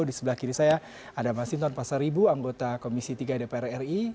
di sebelah kiri saya ada masinton pasaribu anggota komisi tiga dpr ri